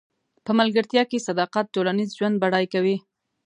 په ملګرتیا کې صداقت ټولنیز ژوند بډای کوي.